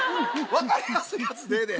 分かりやすいやつでええで。